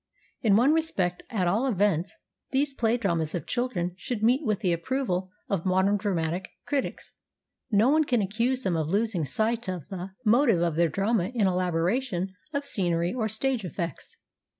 In one respect, at all events, these play dramas of children should meet with the approval of modern dramatic critics. No one can accuse them of losing sight of the CHILDEEN'S DRAMA 219 motive of their drama in elaboration of scenery or stage effects.